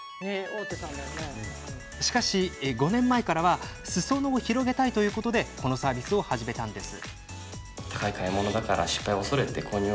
しかし、５年前からはすそ野を広げたいとこのサービスを始めたのです。